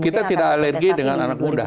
kita tidak alergi dengan anak muda